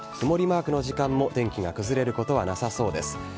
曇りマークの時間も天気が崩れることはなさそうです。